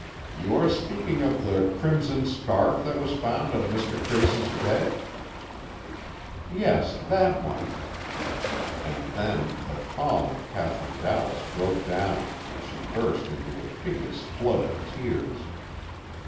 "You are speaking of the crimson scarf that was found on Mr. Tracy's bed?" "Yes, that one." And then, the calm of Katherine Dallas broke down and she burst into a piteous flood of tears.